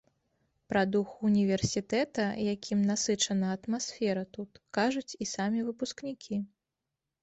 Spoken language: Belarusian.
Пра дух універсітэта, якім насычана атмасфера тут, кажуць і самі выпускнікі.